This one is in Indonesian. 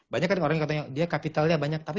banyak kan orang yang katanya dia kapitalnya banyak